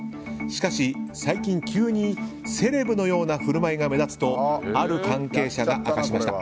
しかし、最近急にセレブのような振る舞いが目立つとある関係者が明かしました。